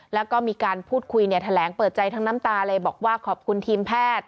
แล้วก็มีการพูดคุยเนี่ยแถลงเปิดใจทั้งน้ำตาเลยบอกว่าขอบคุณทีมแพทย์